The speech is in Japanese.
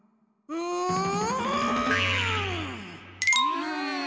うん。